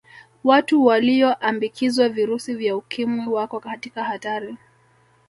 watu waliyoambikizwa virusi vya ukimwi wako katika hatari